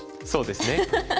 そうですね。